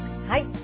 はい。